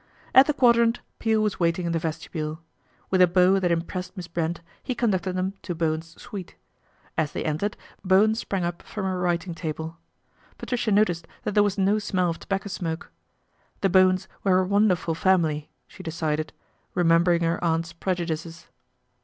At the Quadrant Peel was waiting in the vesti bule. With a bow that impressed Miss Brent, he conducted them to Bowen's suite. As they entered Bowen sprang up from a writing table. Patricia noticed that there was no smell of tobacco t smoke. The Bowens were a wonderful family t she decided, remembering her aunt's prejudices.